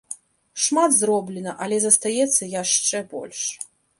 Шмат зроблена, але застаецца яшчэ больш!